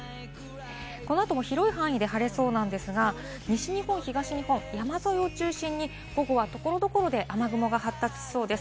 この後も広い範囲で晴れそうなんですが、西日本、東日本、山沿いを中心に午後は所々で雨雲が発達しそうです。